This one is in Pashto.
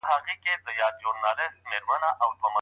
په شکايت کي مبالغه کول څه زيانونه لري؟